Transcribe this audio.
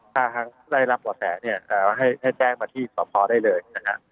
ถ้าได้รับหว่อแสให้แจ้งมาที่สตภได้เลย